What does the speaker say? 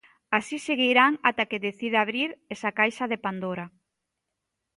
Así seguirán até que decida abrir esa caixa de Pandora.